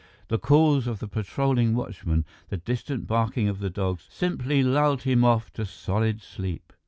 The calls of the patrolling watchmen, the distant barking of the dogs, simply lulled him off to solid sleep.